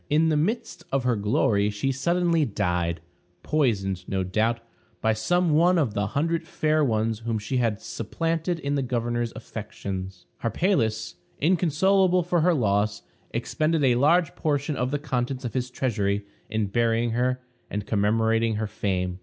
In the midst of her glory she suddenly died; poisoned, no doubt, by some one of the hundred fair ones whom she had supplanted in the governor's affections. Harpalus, inconsolable for her loss, expended a large portion of the contents of his treasury in burying her and commemorating her fame.